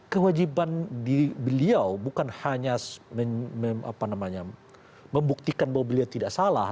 kewajiban beliau bukan hanya membuktikan bahwa beliau tidak salah